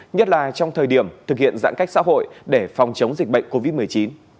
nhất là trong thời điểm thực hiện giãn cách xã hội để phòng chống dịch bệnh covid một mươi chín